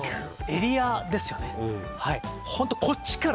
エリアですよね